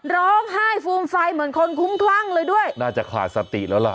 ร้องไห้ฟูมไฟเหมือนคนคุ้มคลั่งเลยด้วยน่าจะขาดสติแล้วล่ะ